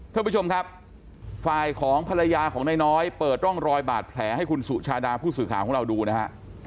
ท่านผู้ชมครับฝ่ายของภรรยาของนายน้อยเปิดร่องรอยบาดแผลให้คุณสุชาดาผู้สื่อข่าวของเราดูนะฮะ